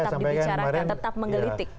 tetap dibicarakan tetap menggelitik